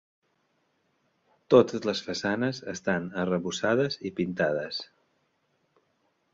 Totes les façanes estan arrebossades i pintades.